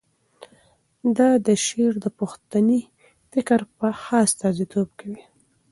د ده شعر د پښتني فکر ښه استازیتوب کوي.